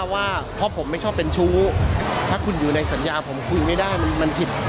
ว่าคุณอยู่ในสัญญาผมคุยไม่ได้มันผิด